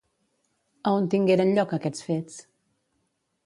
A on tingueren lloc aquests fets?